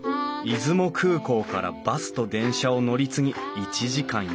出雲空港からバスと電車を乗り継ぎ１時間４５分。